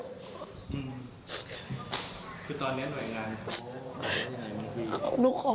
คือตอนนี้หน่วยงานเขาอะไรมาคุยกัน